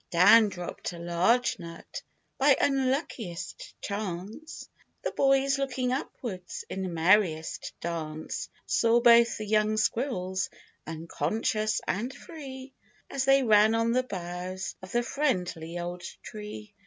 4 12 THE BOYS AND THE SQUIRRELS. Down dropped a large nut ;— by unluckiest chance The boys, looking upwards, in merriest dance Saw both the young squirrels — unconscious and free, As they ran on the boughs of the friendly old tree.